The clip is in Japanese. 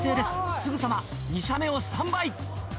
すぐさま２射目をスタンバイ。